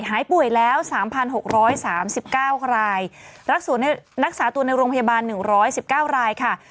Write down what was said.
หายป่วยแล้ว๓๖๓๙รายรักษาตัวในโรงพยาบาล๑๑๙รายค่ะ